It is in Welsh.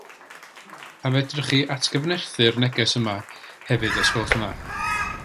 A fedrwch chi atgyfnerthu'r neges yma hefyd os gwelwch yn dda?